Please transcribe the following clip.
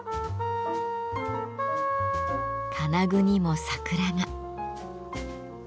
金具にも桜が。